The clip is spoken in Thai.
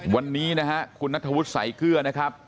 วันนี้คุณนัทธวุฒิใส่เกลือนะครับ